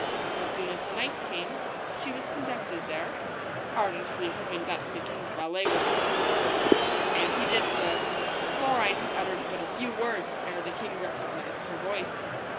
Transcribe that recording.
As soon as night came she was conducted there, ardently hoping that the king's valet would keep his word. THE BLUE BIRD. And he did so. Florine had uttered but a few words ere the king recognized her voice.